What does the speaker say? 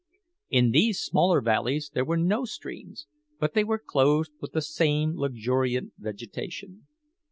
In these smaller valleys there were no streams, but they were clothed with the same luxuriant vegetation.